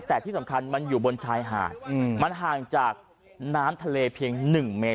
แต่ที่สำคัญมันอยู่บนชายหาดมันห่างจากน้ำทะเลเพียง๑เมตร